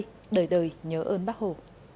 tết trồng cây đời đời nhớ ơn bác hồ